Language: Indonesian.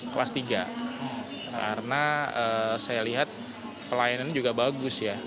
kelas tiga karena saya lihat pelayanannya juga bagus ya